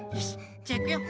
じゃあいくよ。